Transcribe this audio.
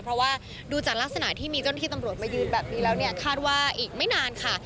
เพราะว่าดูจากลักษณะที่มีเจ้าหน้าที่ตำรวจมายืนแบบนี้แล้วเนี่ยคาดว่าอีกไม่นานค่ะ